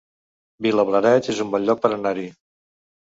Vilablareix es un bon lloc per anar-hi